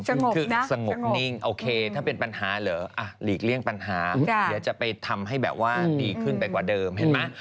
คือสงบนิ่งโอเคถ้าเป็นปัญหาเหรอหลีกเลี่ยงปัญหาเดี๋ยวจะไปทำให้แบบว่าดีขึ้นไปกว่าเดิมเห็นไหม